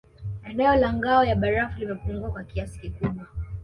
Eneo la ngao ya barafu limepungua kwa kiasi kikubwa